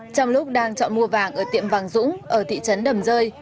trong lúc đang chọn mua vàng ở tiệm vàng dũng ở thị trấn đầm rơi